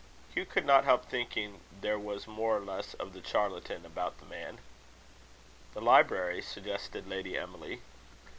Hugh could not help thinking there was more or less of the charlatan about the man. "The library?" suggested Lady Emily.